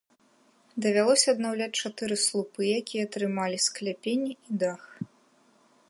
Давялося аднаўляць чатыры слупы, якія трымалі скляпенні і дах.